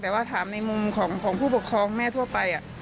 แต่ว่าถามในมุมของผู้ปกครองแม่ทั่วไป